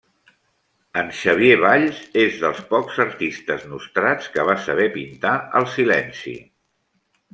En Xavier Valls és dels pocs artistes nostrats que va saber pintar el silenci.